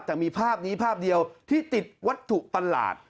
แต่มีภาพนี้ภาพเดียวที่ติดวัตถุประหลาด